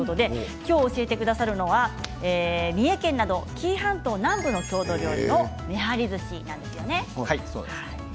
今日、教えてくださるのは三重県など紀伊半島南部の郷土料理のめはりずしです。